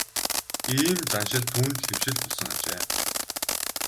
Ийм заншил түүнд хэвшил болсон ажээ.